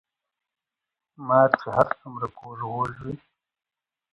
ـ مار چې هر څومره کوږ وږ وي